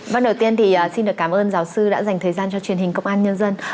vâng đầu tiên thì xin được cảm ơn giáo sư đã dành thời gian cho truyền hình công an nhân dân